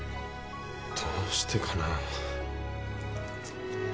どうしてかな。